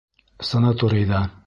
Санаторийҙа.